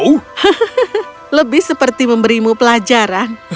hahaha lebih seperti memberimu pelajaran